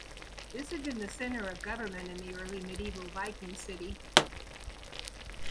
This had been the centre of government in the early medieval Viking city.